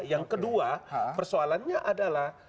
yang kedua persoalannya adalah